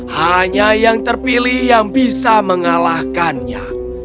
hanya yang terpilih yang bisa mengalahkannya